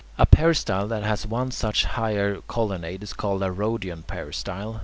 A peristyle that has one such higher colonnade is called a Rhodian peristyle.